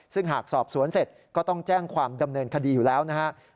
ซึ่งหากสอบสวนเสร็จก็ต้องแจ้งความดำเนินคดีอยู่แล้วนะครับ